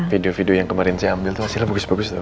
video video yang kemarin saya ambil itu hasilnya bagus bagus tuh